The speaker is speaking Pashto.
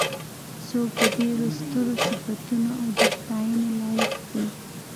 څوک د ډېرو سترو صفتونو او د ستاینې لایق دی.